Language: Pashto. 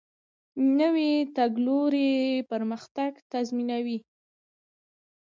نوی تګلوری پرمختګ تضمینوي